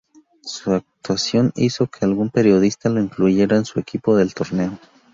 Su actuación hizo que algún periodista lo incluyera en su equipo del torneo.